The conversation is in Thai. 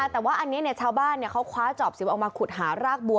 แต่ว่าอันนี้ชาวบ้านเขาคว้าจอบสิวออกมาขุดหารากบัว